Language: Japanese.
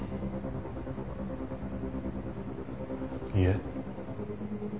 いえ。